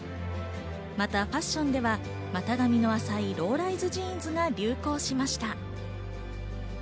またファッションでは股上の浅いローライズジーンズが流行しました。